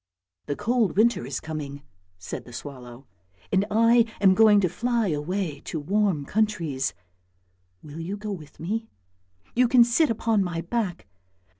" The cold winter is coming," said the swallow, " and I am going to fly away to warm countries. Will you go with me? You can sit upon my back!